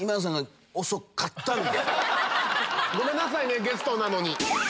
ごめんなさいねゲストなのに。